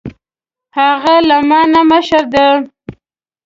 هغه له ما نه مشر ده